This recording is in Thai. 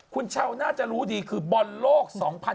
คุณชาวน่าจะรู้ดีคือบอลโลก๒๐๑๖